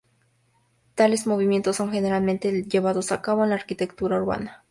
Tales movimientos son generalmente llevados a cabo en la arquitectura urbana.